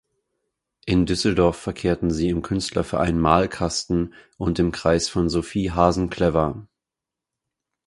In Düsseldorf verkehrten sie im Künstlerverein "Malkasten" und im Kreis von Sophie Hasenclever.